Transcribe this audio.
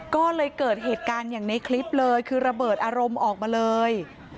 ก็เลยเกิดเหตุการณ์อย่างในคลิปเลยคือระเบิดอารมณ์ออกมาเลย